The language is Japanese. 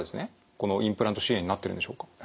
このインプラント周囲炎になっているんでしょうか。